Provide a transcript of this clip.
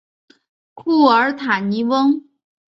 库尔塔尼翁。